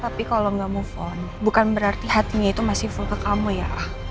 tapi kalau nggak move on bukan berarti hatinya itu masih full ke kamu ya